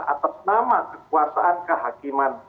atas nama kekuasaan kehakiman